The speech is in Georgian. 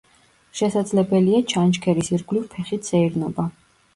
შესაძლებელია ჩანჩქერის ირგვლივ ფეხით სეირნობა.